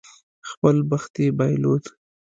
خپل بخت یې بایلود.